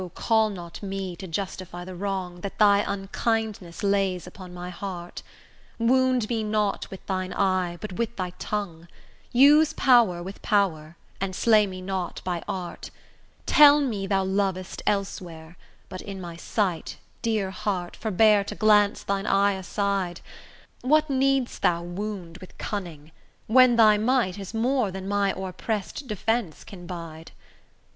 call not me to justify the wrong That thy unkindness lays upon my heart; Wound me not with thine eye, but with thy tongue: Use power with power, and slay me not by art, Tell me thou lov'st elsewhere; but in my sight, Dear heart, forbear to glance thine eye aside: What need'st thou wound with cunning, when thy might Is more than my o'erpress'd defence can bide?